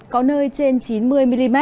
có nơi trên chín mươi mm